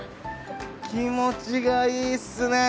気持ちがいいっすね。